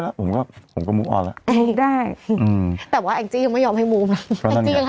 แต่ว่าแอ็งจี้ยังไม่ยอมให้มูลไหมแอ็งจี้ยังให้อ่านอยู่